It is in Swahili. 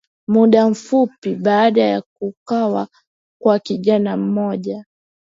muda mfupi baada ya kuwawa kwa kijana mmoja